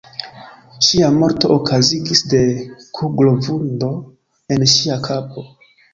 Ŝia morto okazigis de kuglo-vundo en ŝia kapo.